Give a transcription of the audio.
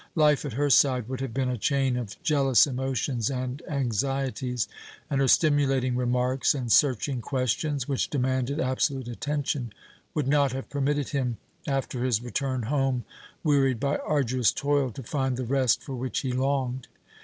Life at her side would have been a chain of jealous emotions and anxieties, and her stimulating remarks and searching questions, which demanded absolute attention, would not have permitted him, after his return home, wearied by arduous toil, to find the rest for which he longed.